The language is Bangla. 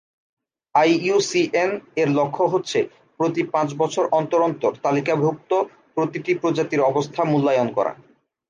আইইউসিএন-এর লক্ষ্য হচ্ছে প্রতি পাঁচ বছর অন্তর অন্তর তালিকাভুক্ত প্রতিটি প্রজাতির অবস্থা মূল্যায়ন করা।